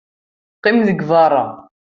Qqim deg beṛṛa!